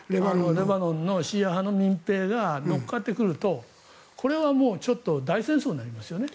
レバノンのシーア派の民兵が乗っかってくるとこれはもうちょっと大戦争になりますよね。